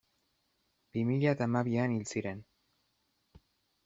Bi mila eta hamabian hil ziren.